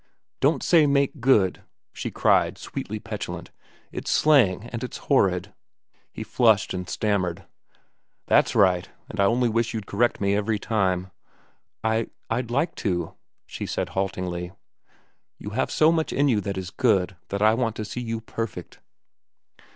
"Don't say 'make good,'" she cried, sweetly petulant. "It's slang, and it's horrid." He flushed, and stammered, "That's right, and I only wish you'd correct me every time." "I—I'd like to," she said haltingly. "You have so much in you that is good that I want to see you perfect."